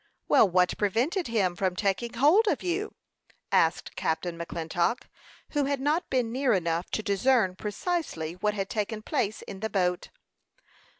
"Well, what prevented him from taking hold of you?" asked Captain McClintock, who had not been near enough to discern precisely what had taken place in the boat.